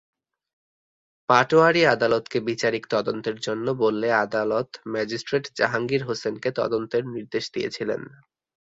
পাটোয়ারী আদালতকে বিচারিক তদন্তের জন্য বললে আদালত ম্যাজিস্ট্রেট জাহাঙ্গীর হোসেনকে তদন্তের নির্দেশ দিয়েছিলেন।